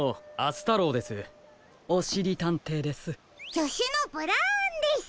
じょしゅのブラウンです。